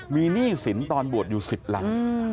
มีหนี้สินตอนบวชอยู่๑๐ล้าน